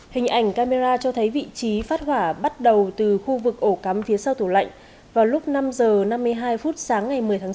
hình ảnh camera cho thấy vị trí phát hỏa bắt đầu từ khu vực ổ cắm phía sau tủ lạnh vào lúc năm h năm mươi hai phút sáng ngày một mươi tháng sáu